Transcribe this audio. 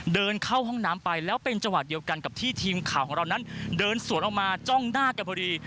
เดินเข้าห้องน้ำไปแล้วเป็นจังหวะเดียวกันกับที่ทีมข่าวของเรานั้นเดินสวนออกมาจ้องหน้ากันพอดี